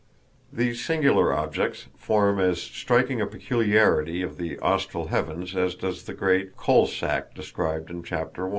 These singular objects form as striking a peculiarity of the austral heavens as does the great "Coal sack" described in Chapter 1.